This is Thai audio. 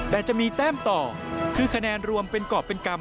แต่จะมีแต้มต่อคือคะแนนรวมเป็นกรอบเป็นกรรม